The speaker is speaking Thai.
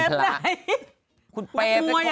ปรำไหน